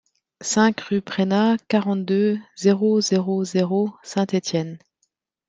cinq rue Preynat, quarante-deux, zéro zéro zéro, Saint-Étienne